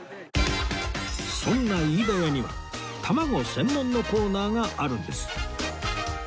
そんな飯田屋には卵専門のコーナーがあるんです